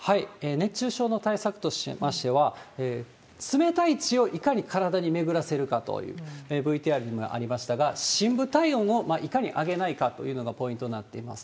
熱中症の対策としましては、冷たい血をいかに体に巡らせるかという、ＶＴＲにもありましたが、深部体温をいかに上げないかというのがポイントになっています。